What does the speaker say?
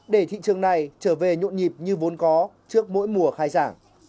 để thị trường này trở về nhộn nhịp như vốn có trước mỗi mùa khai giảng